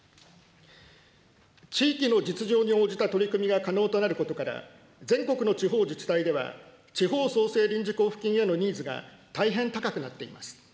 地域の実情に応じた取り組みが可能となることから、全国の地方自治体では、地方創生臨時交付金へのニーズが大変高くなっています。